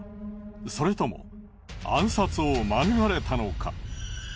それとも暗殺を免れたのか。